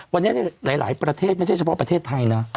วันนี้ในหลายประเทศไม่ใช่เฉพาะประเทศไทยนะ